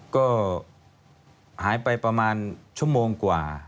ก็หายไปประมาณชั่วโมงกว่า